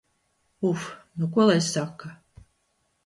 Uf, nu ko lai saka.